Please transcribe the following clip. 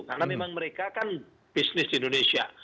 karena memang mereka kan bisnis di indonesia